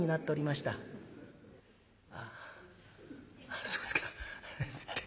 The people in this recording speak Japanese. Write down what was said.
ああそうですか」。